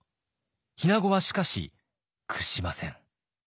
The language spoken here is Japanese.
日名子はしかし屈しません。